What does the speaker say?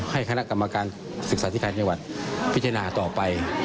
ให้คณะกรรมการที่สถานกรรมการสิทธิการชาติต้องพิจารณาต่อไป